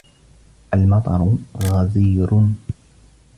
الْمَطَرُ غَزِيرٌ.